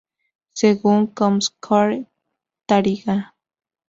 Según comScore, Taringa!